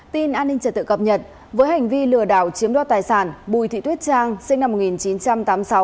tin an ninh trật tự cập nhật với hành vi lừa đảo chiếm đo tài sản bùi thị tuyết trang sinh năm một nghìn chín trăm tám mươi sáu